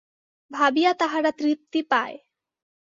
ভাবিয়া তাহারা তৃপ্তি পায়।